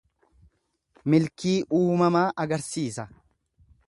Milkii uumamaa argisiisa.